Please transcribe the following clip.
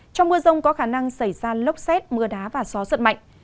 trong mưa rông có khả năng xảy ra lốc xét mưa đá và gió giật mạnh